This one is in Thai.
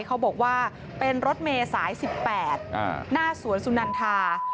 เขาบอกว่าเป็นรถเมย์สาย๑๘หน้าสวนสุนันทา